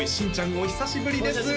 お久しぶりです